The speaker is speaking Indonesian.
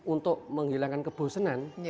untuk menghilangkan kebosenan